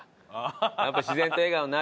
やっぱ自然と笑顔になるよね。